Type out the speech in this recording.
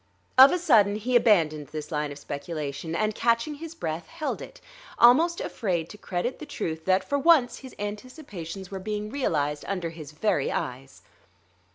Of a sudden he abandoned this line of speculation, and catching his breath, held it, almost afraid to credit the truth that for once his anticipations were being realized under his very eyes.